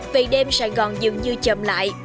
về đêm sài gòn dường như chậm lại